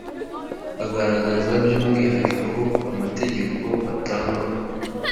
agaragaza by umwihariko amategeko batanga